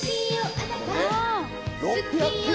あなた好きよ